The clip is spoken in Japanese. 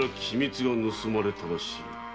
機密が盗まれたらしい。